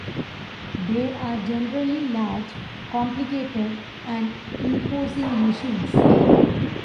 They are generally large, complicated, and imposing machines.